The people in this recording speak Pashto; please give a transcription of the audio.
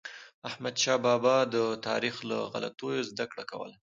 احمدشاه بابا به د تاریخ له غلطیو زدهکړه کوله.